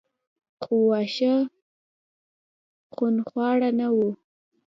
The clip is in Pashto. خو واښه خونخواره نه وو.